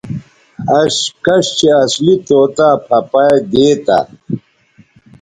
اش کش چہء اصلی طوطا پھہ پائ دیتہ